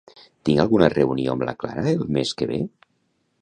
Tinc alguna reunió amb la Clara el mes que ve?